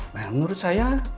nah menurut saya